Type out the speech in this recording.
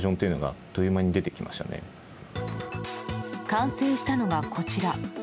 完成したのがこちら。